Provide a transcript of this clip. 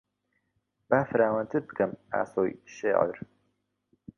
با فراوانتر بکەم ئاسۆی شێعر